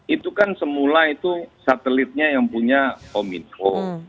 itu kan semula itu satelitnya yang punya kominfo